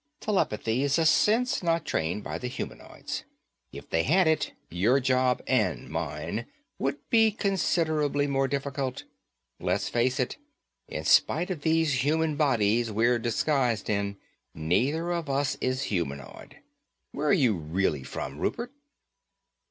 Telepathy is a sense not trained by the humanoids. If they had it, your job and mine would be considerably more difficult. Let's face it, in spite of these human bodies we're disguised in, neither of us is humanoid. Where are you really from, Rupert?"